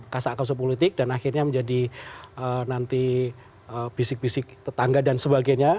kasak kasok politik dan akhirnya menjadi nanti bisik bisik tetangga dan sebagainya